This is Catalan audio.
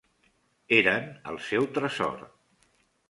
Eren el seu tresor.